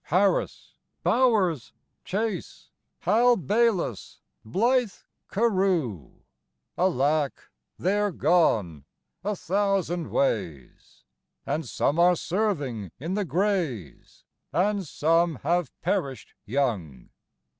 Harris? Bowers? Chase? Hal Baylis? blithe Carew? VIII. Alack! they're gone a thousand ways! And some are serving in "the Greys," And some have perish'd young!